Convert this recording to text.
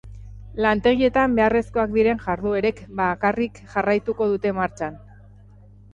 Lantegietan beharrezkoak diren jarduerek bakarraik jarraituko dute martxan.